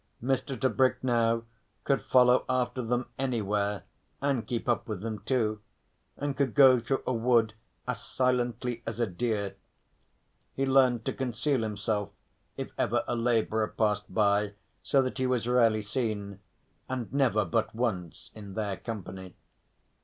Mr. Tebrick now could follow after them anywhere and keep up with them too, and could go through a wood as silently as a deer. He learnt to conceal himself if ever a labourer passed by so that he was rarely seen, and never but once in their company.